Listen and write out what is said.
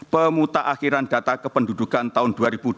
pemutak akhiran data kependudukan tahun dua ribu dua puluh tiga